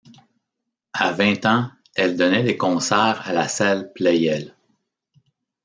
À vingt ans, elle donnait des concerts à la salle Pleyel.